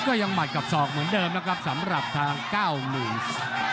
ก็ยังหมัดกับศอกเหมือนเดิมนะครับสำหรับทาง๙๐